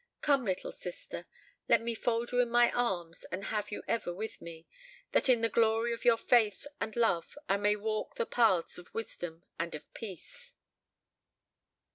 Come, little sister, let me fold you in my arms and have you ever with me, that in the glory of your faith and love I may walk the paths of wisdom and of peace_.